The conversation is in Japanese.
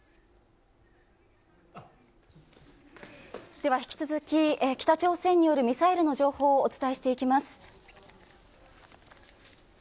では、引き続き北朝鮮によるミサイルの情報をお伝えしていきます。